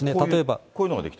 こういうのが出来た。